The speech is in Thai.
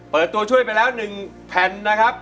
ตัวช่วยไปแล้ว๑แผ่นนะครับ